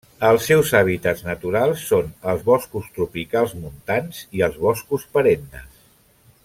Els seus hàbitats naturals són els boscos tropicals montans i els boscos perennes.